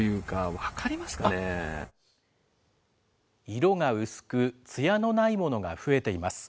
色が薄く、つやのないものが増えています。